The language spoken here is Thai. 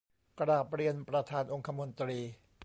กราบเรียนประธานองคมนตรี